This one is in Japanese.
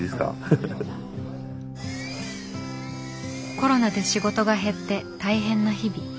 コロナで仕事が減って大変な日々。